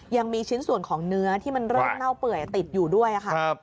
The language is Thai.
ยังมีชิ้นส่วนของเนื้อที่มันเริ่มเน่าเปื่อยติดอยู่ด้วยค่ะ